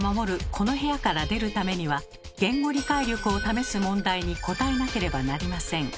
この部屋から出るためには言語理解力を試す問題に答えなければなりません。